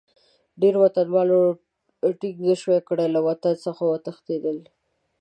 ډېرو وطنوالو ټینګه نه شوای کړای، له وطن څخه وتښتېدل.